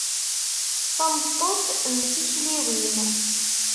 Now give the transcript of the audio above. Tameṭṭut mm tikliwin.